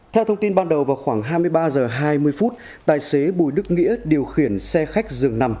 theo thông tin ban đầu vào khoảng hai mươi ba h hai mươi phút tài xế bùi đức nghĩa điều khiển xe khách dường nằm